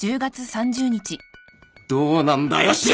どうなんだよ白菱！